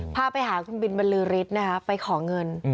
พาไปหาคุณบินบรรลือฤทธิ์นะคะไปขอเงิน